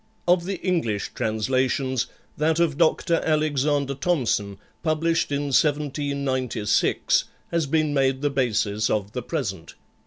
Of the English translations, that of Dr. Alexander Thomson, published in 1796, has been made the basis of the present.